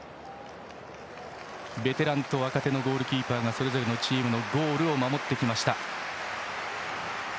ベテランと若手のゴールキーパーがそれぞれのチームのゴールを守ってきました。